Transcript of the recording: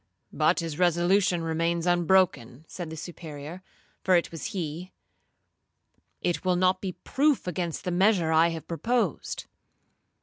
'—'But his resolution remains unbroken,' said the Superior, (for it was he).—'It will not be proof against the measure I have proposed.'